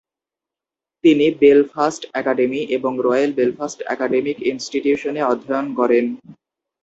তিনি Belfast Academy এবং Royal Belfast Academic ইনস্টিটিউশনে অধ্যয়ন করেন।